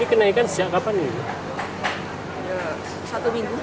kenaikan sejak kapan ini